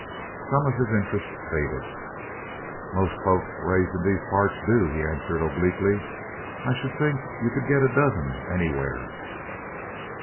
Some of his interest faded. "Most folks raised in these parts do," he answered obliquely. "I should think you could get a dozen anywhere."